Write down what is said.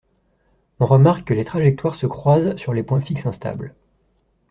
On remarque que les trajectoires se croisent sur les points fixes instables